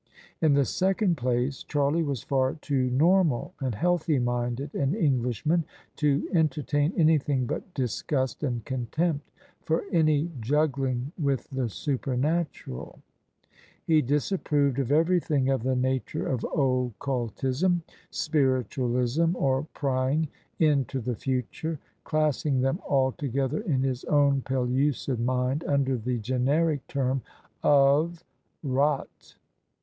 In the second place, Charlie was far too normal and healthy minded an Englishman to entertain anything but disgust and contempt for any juggling with the supernatural : he disapproved of everything of the nature of occultism, spiritualism, or prying into the future, classing them all together in his own pellucid mind under the generic term of "rot."